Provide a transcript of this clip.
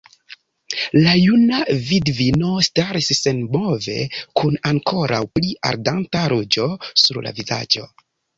La juna vidvino staris senmove, kun ankoraŭ pli ardanta ruĝo sur la vizaĝo.